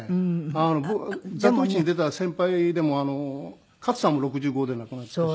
『座頭市』に出た先輩でも勝さんも６５で亡くなってるし。